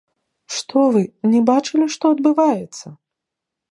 Што вы, не бачылі, што адбываецца?